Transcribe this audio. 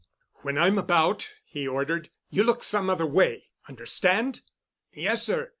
"When I'm about," he ordered, "you look some other way. Understand?" "Yes sir.